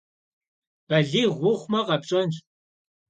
Балигъ ухъумэ къэпщӏэнщ.